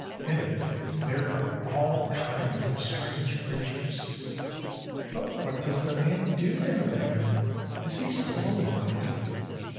In it there are all kinds of strange creatures." "But what does the man do down there? Is he still alive?"